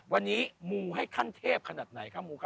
วัดสุทัศน์นี้จริงแล้วอยู่มากี่ปีตั้งแต่สมัยราชการไหนหรือยังไงครับ